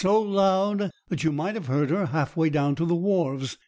so loud that you might have heard her half way down to the wharves.